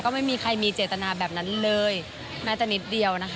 ไม่มีใครมีเจตนาแบบนั้นเลยแม้แต่นิดเดียวนะคะ